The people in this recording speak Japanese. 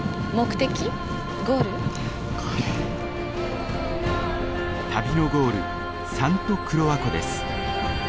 旅のゴールサント・クロワ湖です。